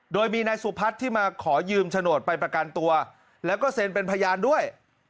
โดยมีนายสุพัฒน์ที่มาขอยืมโฉนดไปประกันตัวแล้วก็เซ็นเป็นพยานด้วย